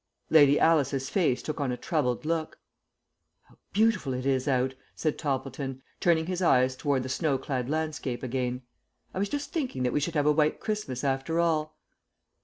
Lady Alice's face took on a troubled look. "How beautiful it is out," said Toppleton, turning his eyes toward the snow clad landscape again. "I was just thinking that we should have a white Christmas after all."